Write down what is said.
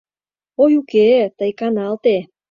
— Ой, уке-э, тый каналте.